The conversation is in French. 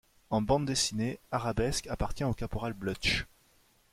En bande dessinée, Arabesque appartient au Caporal Blutch.